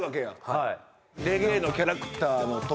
はい。